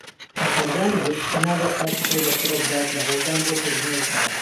بە کارزانم گوت نابێت کاتی خۆی بەفیڕۆ بدات لە هەوڵدان بۆ کردنی ئەو کارە.